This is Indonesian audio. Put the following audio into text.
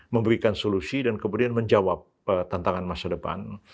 memberikan solusi dan kemudian menjawab tantangan masa depan